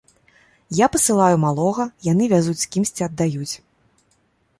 Я пасылаю малога, яны вязуць з кімсьці аддаюць.